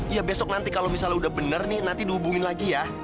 ya besok nanti kalau misalnya udah bener nih nanti dihubungin lagi ya